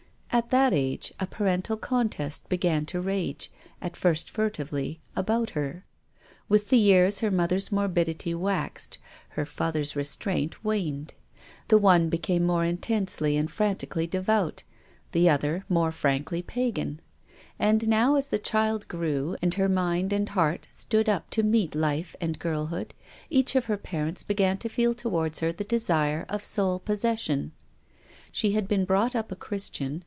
At that age a parental contest began to rage — at first furtively, — about her. With the years her mother's morbidity waxed, her father's restraint waned. The one became more intensely Il8 TONGUES OF CONSCIENCE. and frantically devout, the other n)ore frankly pagan. And now, as the child grew, and her mind and heart stood up to meet life and girl hood, each of her parents began to feel towards her the desire of sole possession. She had been brought up a Christian.